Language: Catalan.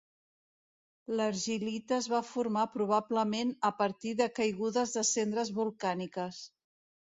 L'argilita es va formar probablement a partir de caigudes de cendres volcàniques.